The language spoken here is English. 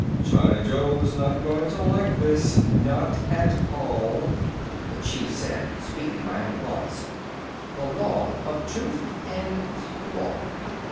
"China Joe is not going to like this, not at all," the Chief said, speaking my own thoughts. The law of Tooth and Claw.